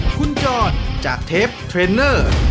คุณจรจากเทปเทรนเนอร์